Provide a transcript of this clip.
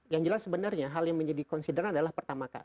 yang jelas sebenarnya hal yang menjadi considern adalah pertama kali